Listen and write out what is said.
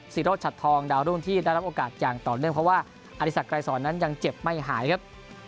ศิโรชัดทองดาวรุ่งที่ได้รับโอกาสอย่างต่อเนื่องเพราะว่าอธิสักไกรสอนนั้นยังเจ็บไม่หายครับ